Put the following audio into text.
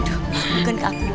bukan ke aku